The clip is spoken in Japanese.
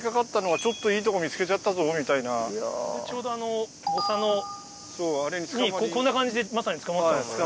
ちょうどあのボサにこんな感じでまさにつかまってたんですかね？